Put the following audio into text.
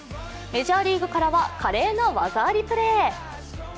メジャーリーグからは華麗な技ありプレー。